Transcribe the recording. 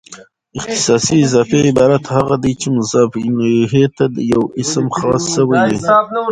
اختصاصي اضافي عبارت هغه دئ، چي مضاف الیه ته یو اسم خاص سوی يي.